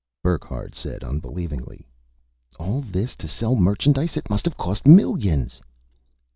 Burckhardt said unbelievingly, "All this to sell merchandise! It must have cost millions!"